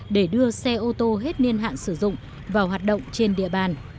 để đưa xe ô tô hết niên hạn sử dụng vào hoạt động trên địa bàn